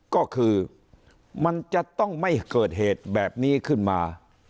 ก็คือมันจะต้องไม่เกิดเหตุแบบนี้ขึ้นมา